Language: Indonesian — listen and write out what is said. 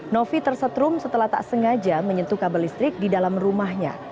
novi tersetrum setelah tak sengaja menyentuh kabel listrik di dalam rumahnya